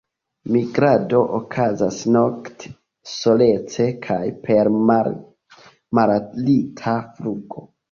Migrado okazas nokte, solece kaj per malalta flugo.